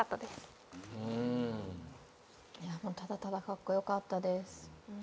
いやただただカッコ良かったです。